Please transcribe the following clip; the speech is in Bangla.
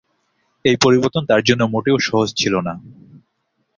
এই পরিবর্তন তার জন্য মোটেও সহজ ছিল না।